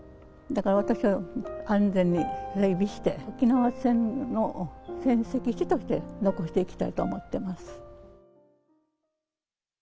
だから私は、安全に整備して、沖縄戦の戦跡地として残していきたいと思っています。